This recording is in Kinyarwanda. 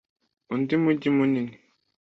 undi mujyi munini